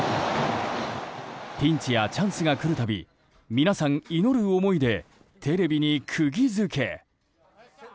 ピンチやチャンスが来るたび皆さん、祈る思いでテレビに釘付け。